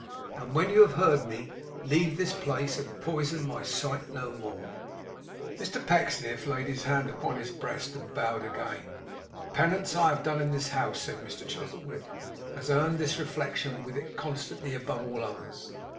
And when you have heard me, leave this place, and poison my sight no more!' Mr Pecksniff laid his hand upon his breast, and bowed again. 'The penance I have done in this house,' said Mr Chuzzlewit, 'has earned this reflection with it constantly, above all others.